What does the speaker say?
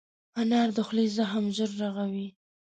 انار د خولې زخم ژر رغوي.